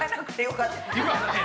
よかったね。